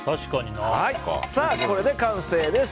これで完成です。